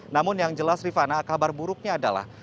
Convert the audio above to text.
namun yang jelas rifana kabar buruknya adalah